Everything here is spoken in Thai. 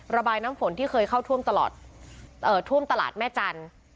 ระบายน้ำฝนที่เคยเข้าท่วมตลอดท่วมตลาดแม่จันทร์